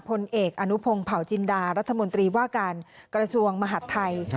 พลเอกอนุพงศ์เผาจินดารัฐมนตรีว่าการกระทรวงมหาดไทย